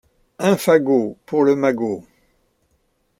Un fagot Pour le magot !